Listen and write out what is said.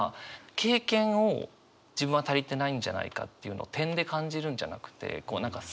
経験を自分は足りてないんじゃないかっていうのを点で感じるんじゃなくて何か線で。